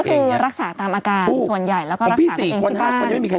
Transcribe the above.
ก็คือรักษาตามอาการส่วนใหญ่แล้วก็รักษาตามเองที่บ้าน